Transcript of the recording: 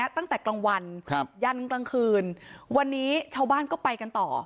ตั้งแต่กลางวันยันกลางคืนวันนี้ชาวบ้านก็ไปกันต่อ